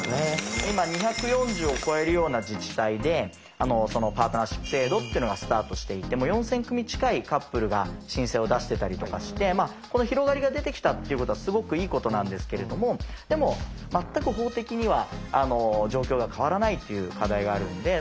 今２４０を超えるような自治体でパートナーシップ制度っていうのがスタートしていてもう４，０００組近いカップルが申請を出してたりとかしてこの広がりが出てきたっていうことはすごくいいことなんですけれどもでも全く法的には状況が変わらないっていう課題があるんで。